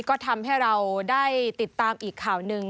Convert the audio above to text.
ก็ทำให้เราได้ติดตามอีกข่าวหนึ่ง